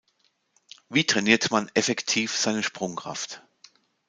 Wie trainiert man effektiv seine Sprungkraft?